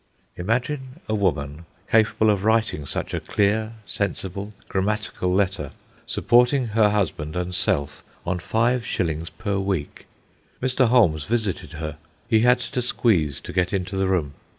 Imagine a woman, capable of writing such a clear, sensible, grammatical letter, supporting her husband and self on five shillings per week! Mr. Holmes visited her. He had to squeeze to get into the room.